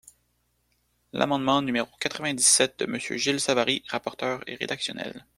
L’amendement numéro quatre-vingt-dix-sept de Monsieur Gilles Savary, rapporteur, est rédactionnel.